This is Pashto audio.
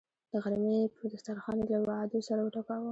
د غرمې پر دسترخان یې له وعدو سر وټکاوه.